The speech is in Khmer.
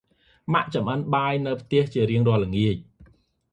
ម៉ាក់ចម្អិនបាយនៅផ្ទះជារៀងរាល់ល្ងាច។